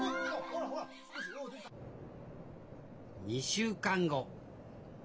２週間後。